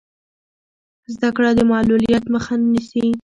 زده کړه د معلولیت مخه نه نیسي.